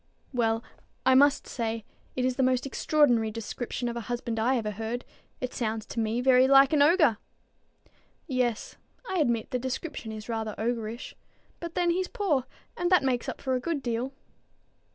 "Well, I must say, it is the most extraordinary description of a husband I ever heard. It sounds to me very like an ogre." "Yes; I admit the description is rather ogrish. But then he's poor, and that makes up for a good deal."